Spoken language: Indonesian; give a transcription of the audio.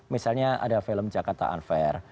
misalnya ada film jakarta unfair